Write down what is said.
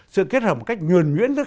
sự kết hợp một cách nhuền nhuyễn với